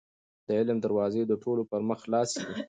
د علم دروازې د ټولو پر مخ خلاصې دي.